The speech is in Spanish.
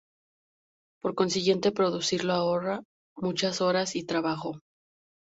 Por consiguiente, producirlo ahorra muchas horas y trabajo.